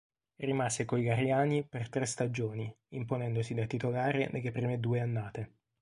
Rimase coi lariani per tre stagioni, imponendosi da titolare nelle prime due annate.